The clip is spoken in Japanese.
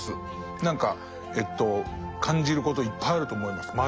何か感じることいっぱいあると思いますまだまだ。